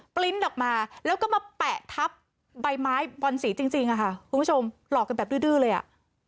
ปริ้นต์ออกมาแล้วก็มาแปะทับใบไม้บอนสีจริงจริงอะค่ะคุณผู้ชมหลอกกันแบบดื้อเลยอ่ะ